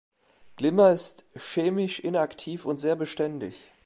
Glimmer ist chemisch inaktiv und sehr beständig.